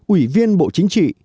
ủy viên bộ chính trị